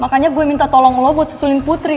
makanya gue minta tolong lo buat susulin putri